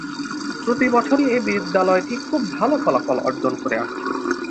প্রতিবছরই এ বিদ্যালয়টি খুব ভালো ফলাফল অর্জন করে আসছে।